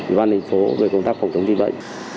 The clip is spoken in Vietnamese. ủy ban thành phố về công tác phòng chống dịch bệnh